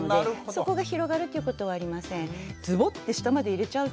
そこが広がるということはありません。